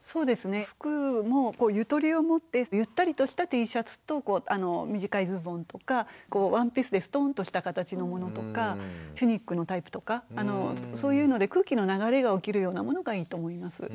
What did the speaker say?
服もゆとりをもってゆったりとしたＴシャツと短いズボンとかワンピースでストンとした形のものとかチュニックのタイプとかそういうので空気の流れが起きるようなものがいいと思います。